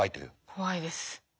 怖いです。